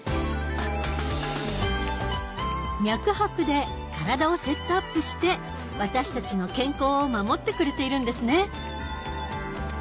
脈拍で体をセットアップして私たちの健康を守ってくれているんですね。